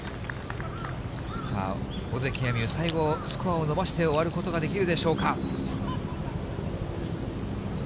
さあ、尾関彩美悠、最後、スコアを伸ばして終わることができるでしょうか。